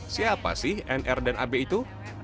siapa sih nr dan ab itu